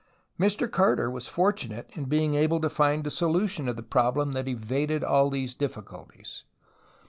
Mr Carter was fortunate in being able to find a solution of the problem that evaded all these difficulties.